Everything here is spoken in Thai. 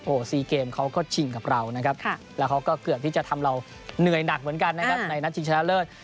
โอ้โห๔เกมเขาก็ชิงกับเรานะครับแล้วเขาก็เกือบที่จะทำเราเหนื่อยหนักเหมือนกันนะครับในนัดชิงชนะเลิศ